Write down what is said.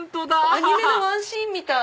アニメのワンシーンみたい。